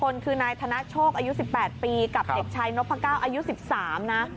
นี้คือนายธนาชก๑๘ปีกับเอกชายนปะก้าวอายุ๑๓ปี